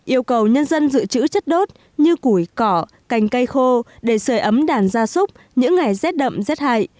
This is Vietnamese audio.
yêu cầu nhân dân giữ chữ chất đốt như củi cỏ cành cây khô để sửa ấm đàn gia súc những ngày rét đậm rét hại